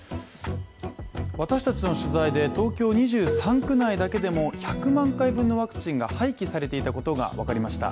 私たちの取材で東京２３区内だけでも１００万回分のワクチンが廃棄されていたことが分かりました。